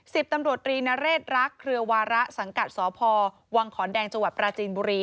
สิบตำรวจรีนเรศรักเครือวาระสังกัดสพวังขอนแดงจังหวัดปราจีนบุรี